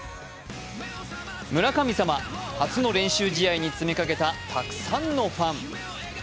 村神様、初の練習試合に詰めかけた、たくさんのファン。